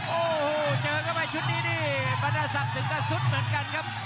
โอ้โหเจอกันไปชุดนี้ดีบรรณสัตว์ถึงกระสุนเหมือนกันครับ